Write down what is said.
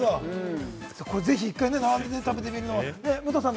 これぜひ一回並んで食べてみるのもね。